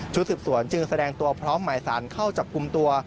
สืบสวนจึงแสดงตัวพร้อมหมายสารเข้าจับกลุ่มตัว